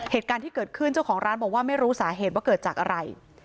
เหตุการณ์ที่เกิดขึ้นเจ้าของร้านบอกว่าไม่รู้สาเหตุว่าเกิดจากอะไร